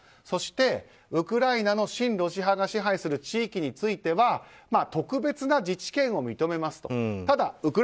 そしてウクライナの親ロシア派が支配する地域については特別な自治権を認めますと。